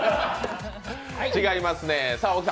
違いますね。